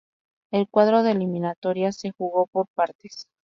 El cuadro de eliminatorias se jugó por partes.